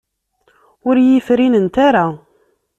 Ur iyi-frinent ara.